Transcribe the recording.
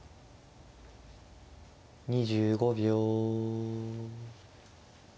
２５秒。